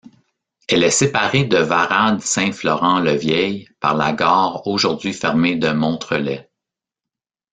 Elle est séparée de Varades - Saint-Florent-le-Vieil par la gare aujourd'hui fermée de Montrelais.